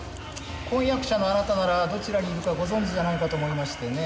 婚約者のあなたならどちらにいるかご存じじゃないかと思いましてね。